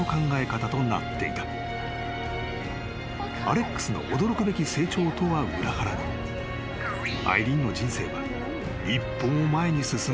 ［アレックスの驚くべき成長とは裏腹にアイリーンの人生は一歩も前に進んでいなかった］